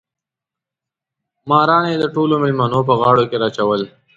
ماران یې د ټولو مېلمنو په غاړو کې راچول.